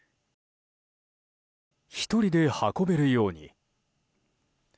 １人で運べるように。